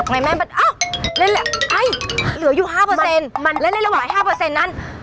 แม่แม่อ้าวเล่นแหละไอ้เหลืออยู่ห้าเปอร์เซ็นต์มันเล่นเล่นระหว่างห้าเปอร์เซ็นต์นั้น